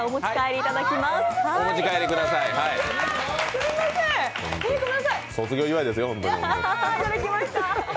いただきました。